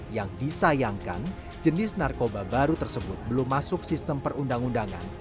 yang disayangkan jenis narkoba baru tersebut belum masuk sistem perundang undangan